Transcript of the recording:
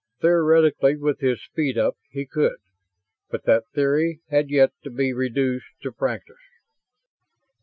Theoretically, with his speed up, he could. But that theory had yet to be reduced to practice.